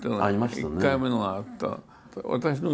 １回目のがあった。